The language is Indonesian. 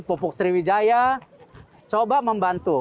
pupuk sriwijaya coba membantu